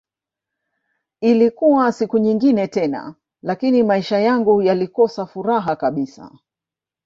Ilikuwa siku nyingine tena lakini maisha yangu yalikosa furaha kabisa